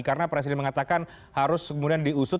karena presiden mengatakan harus kemudian diusut